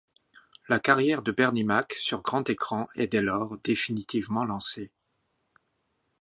La carrière de Bernie Mac sur grand écran est dès lors définitivement lancée.